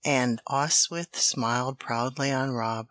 And Oswyth smiled proudly on Rob.